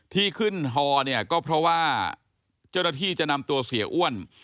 ที่ขึ้นฮอเนี่ยก็เพราะว่าเจ้าหน้าที่จะนำตัวเสียอ้วน